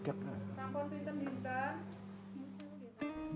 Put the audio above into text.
sampai ketemu lagi